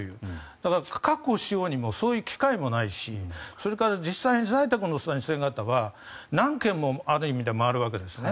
だから、確保しようにもそういう機械もないしそれから実際に在宅の先生方は何軒もある意味では回るわけですね。